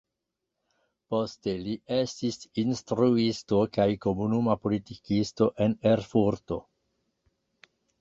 Poste li estis instruisto kaj komunuma politikisto en Erfurto.